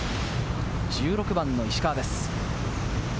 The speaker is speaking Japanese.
１６番の石川です。